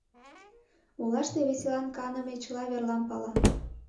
Олаште веселан каныме чыла верлам пала.